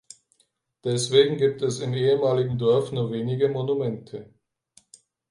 Deswegen gibt es im ehemaligen Dorf nur wenige Monumente.